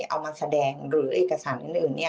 เอามาแสดงหรือเอกสารอื่น